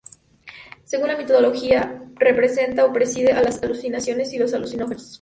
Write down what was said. Según la mitología representa o preside a las alucinaciones y los alucinógenos.